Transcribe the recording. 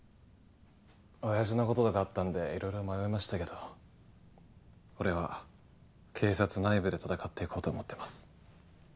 おやじのこととかあったんでいろいろ迷いましたけど俺は警察内部で闘っていこうと思ってます。